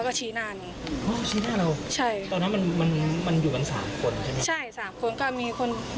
ก็เขาชี้หน้านูบอกว่ามาทำไมเจ้าเหรอกลับไปเลย